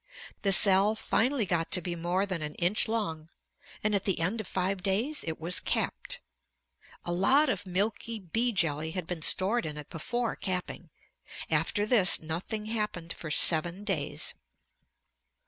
The cell finally got to be more than an inch long, and at the end of five days it was capped. A lot of milky bee jelly had been stored in it before capping. After this nothing happened for seven days.